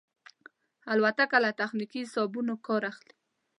الوتکه له تخنیکي حسابونو کار اخلي.